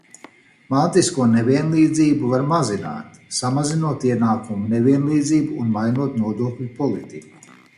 Mantisko nevienlīdzību var mazināt, samazinot ienākumu nevienlīdzību un mainot nodokļu politiku.